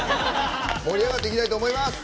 盛り上がっていきたいと思います。